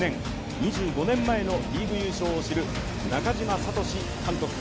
２５年前のリーグ優勝を知る中嶋聡監督。